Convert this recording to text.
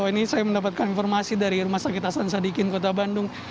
ini saya mendapatkan informasi dari rumah sakit hasan sadikin kota bandung